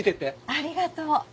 ありがとう。